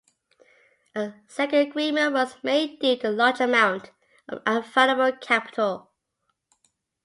A second agreement was made due to the large amount of available capital.